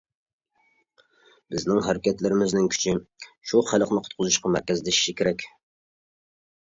بىزنىڭ ھەرىكەتلىرىمىزنىڭ كۈچى، شۇ خەلقنى قۇتقۇزۇشقا مەركەزلىشىشى كېرەك.